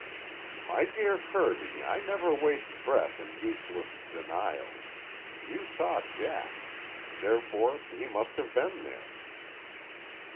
"My dear Kirby, I never waste breath in useless denials. You saw Jack. Therefore he must have been there."